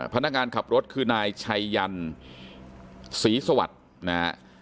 พนักงานขับรถคือนายชัยยันศรีสวัสดิ์นะฮะ